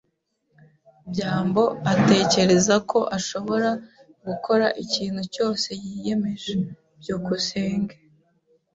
byambo atekereza ko ashobora gukora ikintu cyose yiyemeje. byukusenge